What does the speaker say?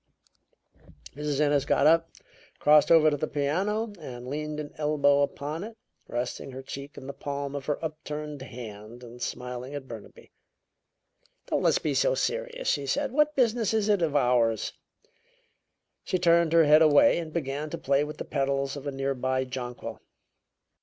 Mrs. Ennis got up, crossed over to the piano, and leaned an elbow upon it, resting her cheek in the palm of her upturned hand and smiling at Burnaby. "Don't let's be so serious," she said. "What business is it of ours?" She turned her head away and began to play with the petals of a near by jonquil.